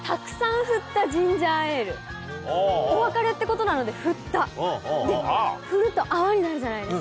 ジンジャーエールお別れってことなので「振った」。で振ると泡になるじゃないですか。